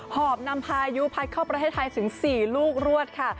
หอบนำพายุพัดเข้าประเทศไทยถึง๔ลูกรวดค่ะ